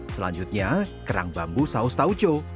selanjutnya kerang bambu saus tauco